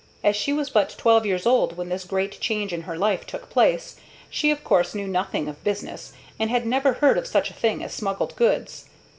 As she was but twelve years old when this great change in her life took place, she of course knew nothing of business, and had never heard of such a thing as smuggled goods.